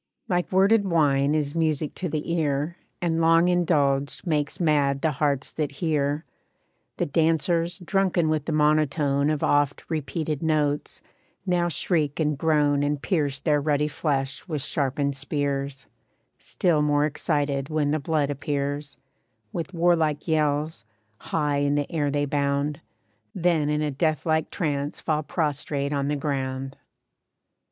Like worded wine is music to the ear, And long indulged makes mad the hearts that hear. The dancers, drunken with the monotone Of oft repeated notes, now shriek and groan And pierce their ruddy flesh with sharpened spears; Still more excited when the blood appears, With warlike yells, high in the air they bound, Then in a deathlike trance fall prostrate on the ground.